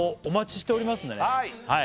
お待ちしておりますんでね